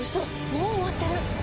もう終わってる！